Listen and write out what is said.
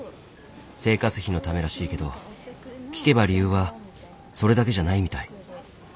生活費のためらしいけど聞けば理由はそれだけじゃないみたい。